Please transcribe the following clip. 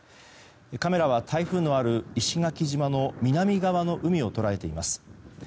カメラは台風のある石垣島の南側の海を捉えています。